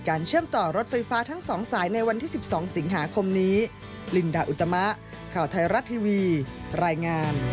แรงงาน